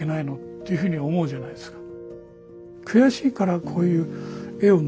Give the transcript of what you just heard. っていうふうに思うじゃないですか。